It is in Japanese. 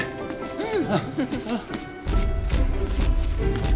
うん。